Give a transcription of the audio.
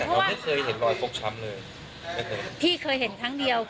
คนน่ะใครมาไม่รักก็เพราะว่ารักแบบผิดคือรักมากหวังมาก